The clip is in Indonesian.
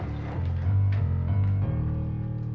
masuk masuk masuk masuk masuk masuk masuk masuk masuk